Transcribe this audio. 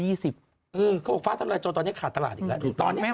เขาบอกฟ้าทะลายโจรตอนนี้ขาดตลาดอีกแล้ว